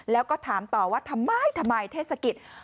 แล้วก็ถามต่อว่าทำไมทำไมเทศกิจ